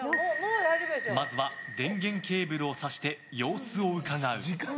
まずは電源ケーブルを挿して様子をうかがう。